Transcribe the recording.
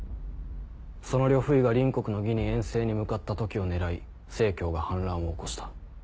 その呂不韋が隣国の魏に遠征に向かった時を狙い成が反乱を起こした。